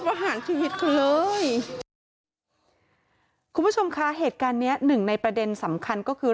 เพราะว่าลูกชมคร้าเหตุการณ์นี้นึ่งในประเด็นสำคัญก็คือ